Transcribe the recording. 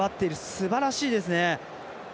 すばらしいですね。